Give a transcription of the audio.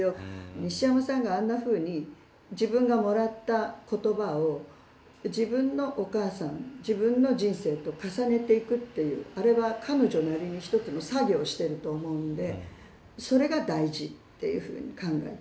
西山さんがあんなふうに自分がもらった言葉を自分のお母さん自分の人生と重ねていくっていうあれは彼女なりに一つの作業をしてると思うんでそれが大事っていうふうに考えてます。